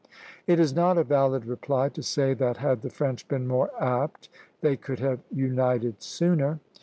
It is not a valid reply to say that, had the French been more apt, they could have united sooner.